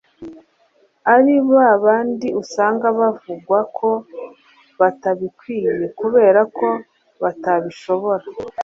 ari ba bandi usanga bavugwa ko batabikwiye, kubera ko batabishobora.